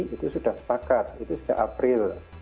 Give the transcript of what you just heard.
itu sudah sepakat itu sejak april